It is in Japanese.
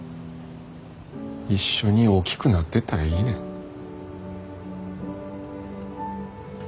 一緒に大きくなってったらいいねん。